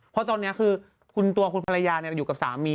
เพราะตอนนี้คือตัวคุณภรรยาอยู่กับสามี